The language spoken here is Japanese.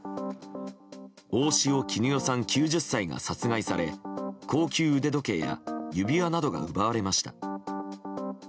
大塩衣与さん、９０歳が殺害され高級腕時計や指輪などが奪われました。